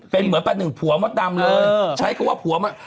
เป็นเหมือนประหนึ่งผัวมดดำเลยใช้คำว่าผัวมา